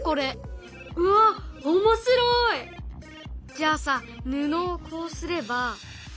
じゃあさ布をこうすれば。